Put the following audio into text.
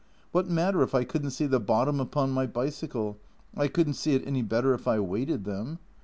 What matter if I couldn't see the bottom upon my bicycle, I couldn't see it any better if I waded them.